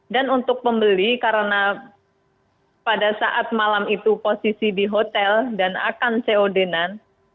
dan untuk pembeli karena pada saat malam itu posisi di hotel dan akan cod an